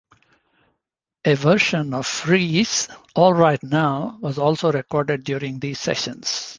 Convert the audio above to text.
A version of Free's "All Right Now" was also recorded during these sessions.